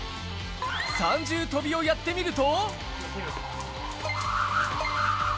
三重跳びをやってみると。